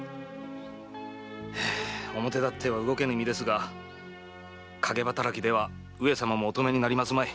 表立っては動けぬ身だが陰働きは上様もお止めになりますまい。